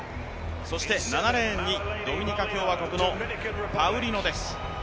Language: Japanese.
そして７レーンにドミニカ共和国のパウリノです。